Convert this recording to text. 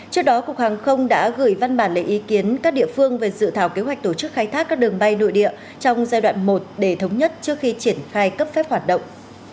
trước đó cục hàng không đã gửi văn bản lấy ý kiến các địa phương về dự thảo kế hoạch tổ chức khai thác các đường bay nội địa trong giai đoạn một để thống nhất trước khi triển khai cấp phép hoạt động